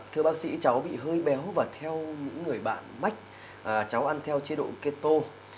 thưa bác sĩ cháu bị hơi béo và theo những người bạn mách cháu ăn theo chế độ keto